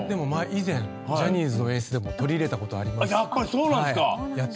以前ジャニーズの演出でも取り入れたことあります。